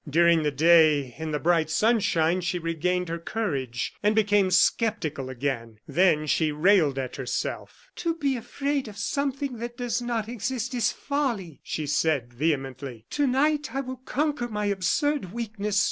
During the day, in the bright sunshine, she regained her courage, and became sceptical again. Then she railed at herself. "To be afraid of something that does not exist, is folly!" she said, vehemently. "To night I will conquer my absurd weakness."